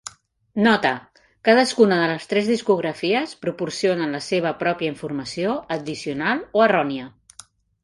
Nota: cadascuna de les tres discografies proporciona la seva pròpia informació addicional o errònia.